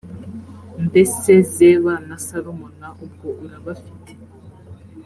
mbese zeba na salumuna ubwo urabafite